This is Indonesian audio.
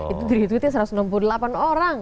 itu green tweetnya satu ratus enam puluh delapan orang